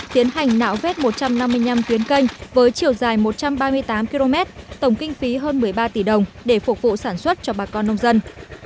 tiến hành nạo vết một trăm năm mươi năm tuyến canh với chiều dài một trăm ba mươi tám km tổng kinh phí hơn một mươi ba tỷ đồng để phục vụ sản xuất cho bà con nông dân